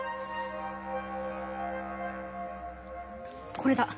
これだ。